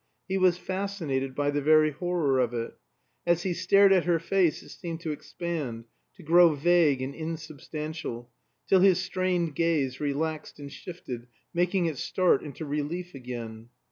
He was fascinated by the very horror of it; as he stared at her face it seemed to expand, to grow vague and insubstantial, till his strained gaze relaxed and shifted, making it start into relief again.